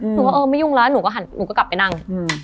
หนูว่าเออไม่ยุ่งแล้วหนูก็หันหนูก็กลับไปนั่ง